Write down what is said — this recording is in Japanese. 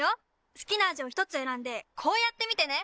好きな味を１つ選んでこうやって見てね！